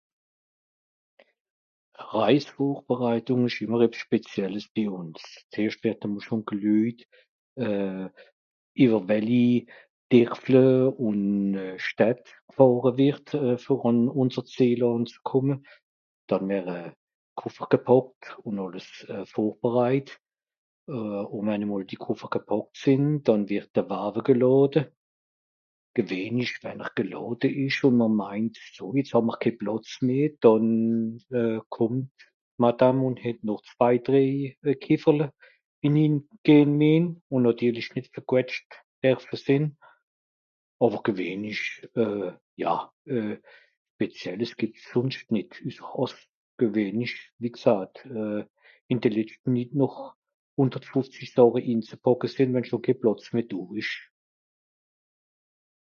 E Reisvorbereitùng ìsch ìmmer ebbs spezielles bi ùns . Zeerscht wìrd schùn geluejt euh... ìwer welli Derfle ùn Städt gfàhre wìrd der àn ùnser Zìel ànzekùmme. Dann wère Koffer gepàckt ùn àlles vorbereit. Euh... ùn wenn e mol die Koffer gepàckt sìnn, dànn wìrd de Wawe gelàde. Gewìhlich wenn'r gelàde ìsch (...) hà mr ké Plàtz meh. dànn kùmmt Madame ùn het noch zwei drèi Kéfferle wie nin gehn mìen. ùn nàtirlisch (...). Àwer gewìnlich, euh... ja, spezielles gìbbt's sùnscht nìt, üsser àss gewìnlich, wie gsat, ìn de letscht Minüt noch hùnderfùfzisch Sàche inzepàcke sìnn wenn scho ké Plàtz meh do ìsch.